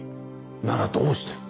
ならどうして？